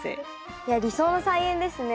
いや理想の菜園ですね。